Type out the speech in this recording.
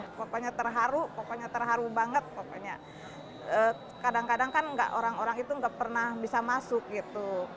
pokoknya terharu pokoknya terharu banget pokoknya kadang kadang kan orang orang itu nggak pernah bisa masuk gitu